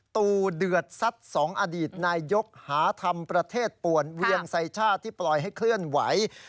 ตู่เดือดซัดสองอดีตนายกหาธรรมประเทศป่วนเวียงไซชาติที่ปล่อยให้เคลื่อนไหว